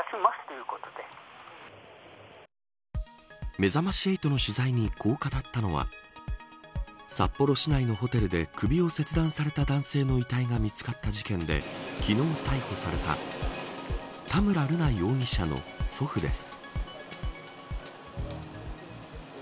めざまし８の取材にこう語ったのは札幌市内のホテルで首を切断された男性の遺体が見つかった事件で昨日逮捕された田村瑠奈容疑者の祖父です。